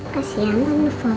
kasihan tante frozen